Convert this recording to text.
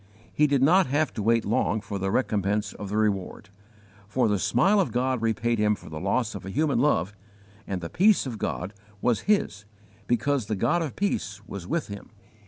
He did not have to wait long for the recompense of the reward, for the smile of God repaid him for the loss of a human love, and the peace of God was his because the God of peace was with him.